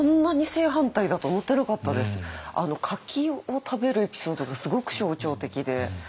柿を食べるエピソードがすごく象徴的で。